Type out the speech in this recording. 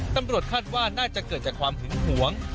ตำรวจคาดว่าน่าจะเกิดจากความหึงหวง